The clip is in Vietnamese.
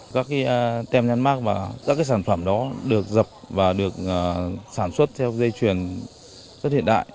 các cái tem nhắn mắc và các cái sản phẩm đó được dập và được sản xuất theo dây truyền rất hiện đại